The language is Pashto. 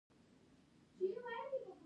د خوست پوهنتون په خوست کې دی